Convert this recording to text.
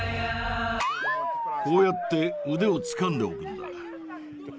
こうやって腕をつかんでおくんだ。